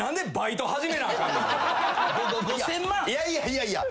いやいや。